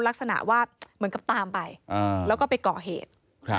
ลักษณะว่าเหมือนกับตามไปแล้วก็ไปก่อเหตุ